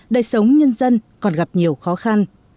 đời sống nhân dân còn gặp nhiều khó khăn